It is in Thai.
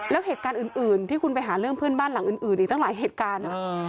แล้วเหตุการณ์อื่นที่คุณไปหาเรื่องเพื่อนบ้านหลังอื่นอีกตั้งหลายเหตุการณ์